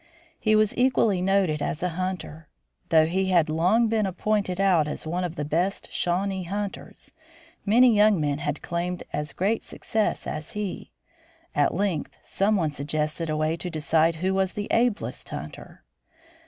He was equally noted as a hunter. Though he had long been pointed out as one of the best Shawnee hunters, many young men had claimed as great success as he. At length some one suggested a way to decide who was the ablest hunter.